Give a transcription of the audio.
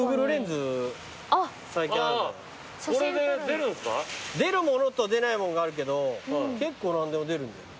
出るものと出ないもんがあるけど結構何でも出るんだよ。